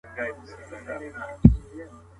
هغې بۀ ما باندې د خپل سر لوپټه وهله